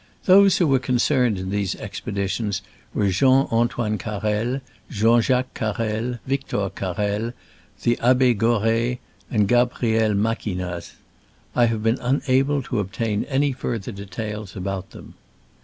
Those who were concerned in these expeditions were Jean Antoine Carrel, Jean Jacques Carrel, Victor Carrel, the Abb6 Gorret and Gabrielle Maquignaz. I have been unable to obtain any further details about them.